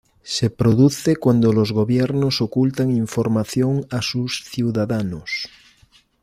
Se produce cuando los gobiernos ocultan información a sus ciudadanos.